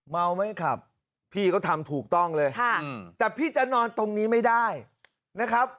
เมาไม่ขับพี่ก็ทำถูกต้องเลยแต่พี่จะนอนตรงนี้ไม่ได้นะครับ